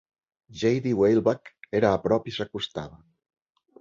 JD Weilbach era a prop i s'acostava.